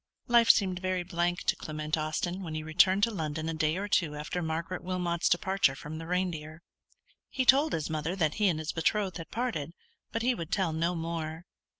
Life seemed very blank to Clement Austin when he returned to London a day or two after Margaret Wilmot's departure from the Reindeer. He told his mother that he and his betrothed had parted; but he would tell no more.